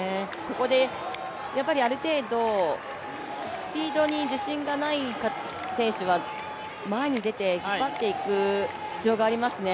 ここである程度、スピードに自信がない選手は前に出て、引っ張っていく必要がありますね。